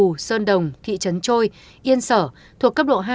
huyện hà phù sơn đồng thị trấn trôi yên sở thuộc cấp độ hai